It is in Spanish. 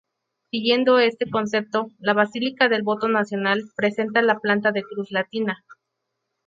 Siguiendo este concepto, la Basílica del Voto Nacional presenta la planta de cruz latina.